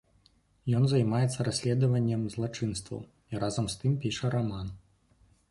Ён займаецца расследаваннем злачынстваў і разам з тым піша раман.